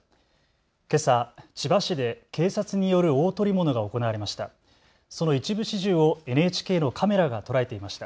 けさ、千葉市で警察による大捕り物が行われました。